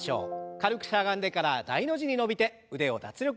軽くしゃがんでから大の字に伸びて腕を脱力して下ろします。